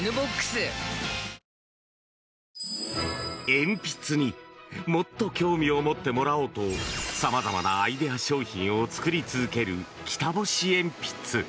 鉛筆にもっと興味を持ってもらおうと様々なアイデア商品を作り続ける北星鉛筆。